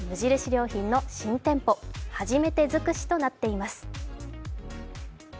良品の新店舗、初めて尽くしとなっています。